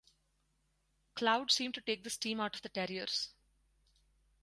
Cloud seemed to take the steam out of the Terriers.